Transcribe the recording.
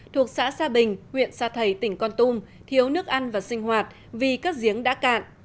thuộc xã sa bình huyện sa thầy tỉnh con tum thiếu nước ăn và sinh hoạt vì các giếng đã cạn